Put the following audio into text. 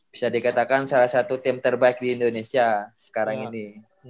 bisa dikatakan salah satu tim terbaik di indonesia sekarang ini